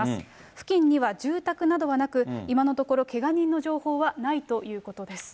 付近には住宅などはなく、今のところけが人の情報はないということです。